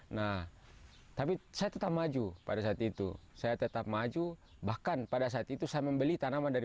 nah tapi saya tetap maju pada saat itu saya tetap maju bahkan pada saat itu saya membeli tanaman dari